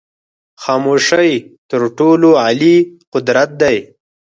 خاموشی تر ټولو عالي قدرت دی.